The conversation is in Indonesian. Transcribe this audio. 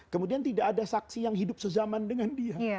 kemudian tidak ada saksi yang hidup sezaman dengan dia